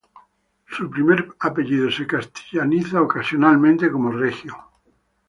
Su primer apellido es castellanizado ocasionalmente como Regio.